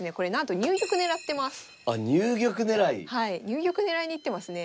入玉狙いに行ってますね。